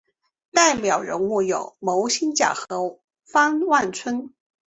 代表人物有牟兴甲和方万春。